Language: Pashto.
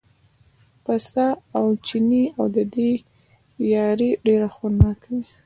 پسه او چینی او د دوی یاري ډېر خوند راکوي.